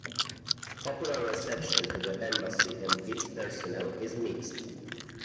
Popular reception to the Embassy and its personnel is mixed.